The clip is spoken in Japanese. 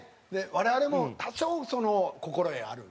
我々も多少心得あるんで。